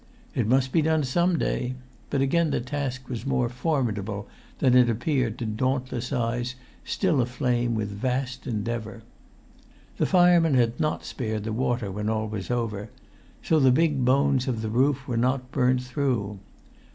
It must be done some day; but again the task was more formidable than it appeared to dauntless eyes still aflame with vast endeavour. The firemen had not spared the water when all was over, so the big bones of the roof were not burnt through.